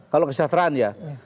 kalau kesejahteraan ya